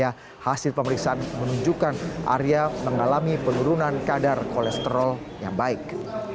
hasil pemeriksaan menunjukkan arya mengalami penurunan kadar kolesterol yang baik